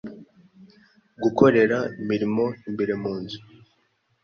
gukorera imirimo imbere mu nzu,